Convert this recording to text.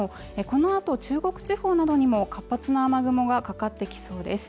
このあと中国地方などにも活発な雨雲がかかってきそうです